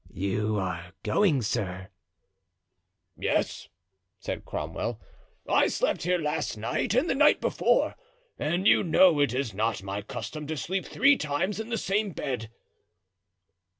"You are going, sir?" "Yes," said Cromwell. "I slept here last night and the night before, and you know it is not my custom to sleep three times in the same bed."